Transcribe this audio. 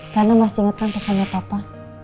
karena masih inget kan pesannya papa